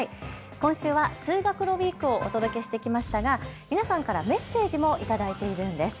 今週、通学路ウイークをお届けしましたが皆さんからメッセージも頂いているんです。